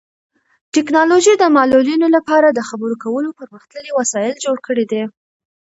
ټیکنالوژي د معلولینو لپاره د خبرو کولو پرمختللي وسایل جوړ کړي دي.